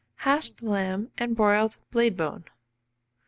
HASHED LAMB AND BROILED BLADE BONE.